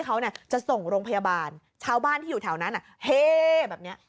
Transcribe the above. เขาเนี่ยจะส่งโรงพยาบาลชาวบ้านที่อยู่แถวนั้นเฮ่แบบเนี้ย